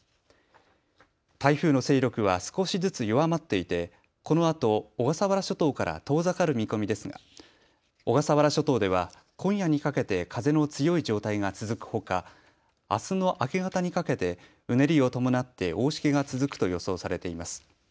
台風の勢力は少しずつ弱まっていて、このあと、小笠原諸島から遠ざかる見込みですが小笠原諸島では今夜にかけて風の強い状態が続くほか、あすの明け方にかけてうねりを伴って大しけが続くと予想されています。